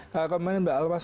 kalau kemarin mbak almas